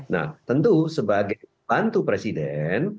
nah tentu sebagai bantu presiden